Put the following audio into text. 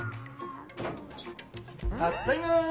たっだいま！